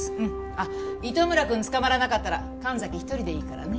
あっ糸村くんつかまらなかったら神崎一人でいいからね。